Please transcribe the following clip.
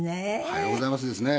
はようございますですね。